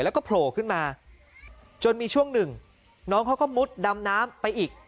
แล้วก็โผล่ขึ้นมาจนมีช่วงหนึ่งน้องเขาก็มุดดำน้ำไปอีก